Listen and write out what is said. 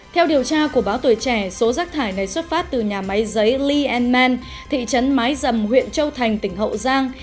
theo điều tra của báo tuổi trẻ số rác thải này xuất phát từ nhà máy giấy lee man thị trấn mái dầm huyện châu thành tỉnh hậu giang